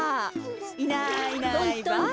いないいないばあ。